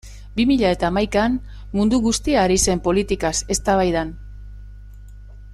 Bi mila eta hamaikan mundu guztia ari zen politikaz eztabaidan.